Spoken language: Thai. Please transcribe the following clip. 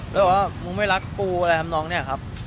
แล้วว่ามึงไม่รักกูอะไรหรือจังกูเนี้ยครับ